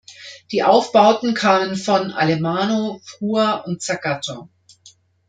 Die Aufbauten kamen von Allemano, Frua und Zagato.